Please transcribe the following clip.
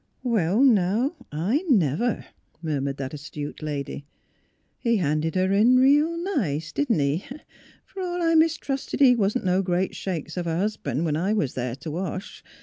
" Well, now, I never! " murmured that astute lady. '' He handed her in reel nice; didn't he! Per all I mistrusted he wa'n't no great shakes of a hus'ban', when I was there t" wash.